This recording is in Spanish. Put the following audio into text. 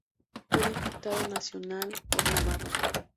Fue diputado nacional por Navarra.